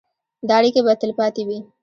دا اړیکې به تلپاتې وي.